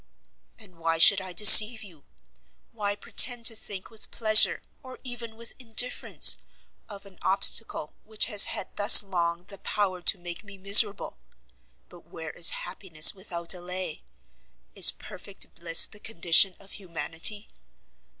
"And why should I deceive you? Why pretend to think with pleasure, or even with indifference, of an obstacle which has had thus long the power to make me miserable? But where is happiness without allay? Is perfect bliss the condition of humanity?